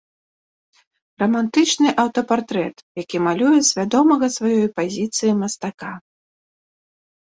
Рамантычны аўтапартрэт, які малюе свядомага сваёй пазіцыі мастака.